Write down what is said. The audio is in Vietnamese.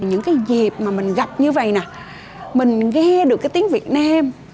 những cái dịp mà mình gặp như vậy nè mình nghe được cái tiếng việt nam